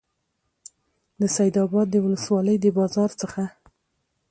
د سیدآباد د ولسوالۍ د بازار څخه